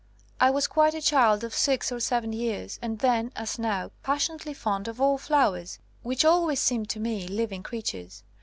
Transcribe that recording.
I was quite a child of six or seven years, and then, as now, passionately fond of all flowers, which always seem to me living creatures.